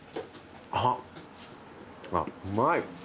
あっあっうまい。